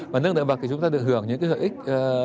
và nâng được bậc thì chúng ta được hưởng những cái hợp ích